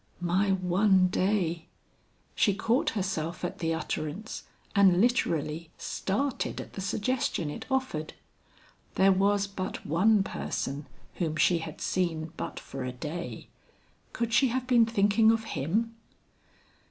"My one day!" She caught herself at the utterance and literally started at the suggestion it offered. There was but one person whom she had seen but for a day. Could she have been thinking of him?